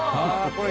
これ。